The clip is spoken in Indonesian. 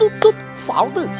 ini tidak baik